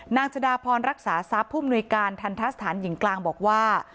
จดาพรรักษาทรัพย์ผู้มนุยการทันทะสถานหญิงกลางบอกว่า